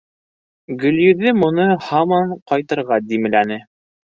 Гөлйөҙөм уны һаман ҡайтырға димләне.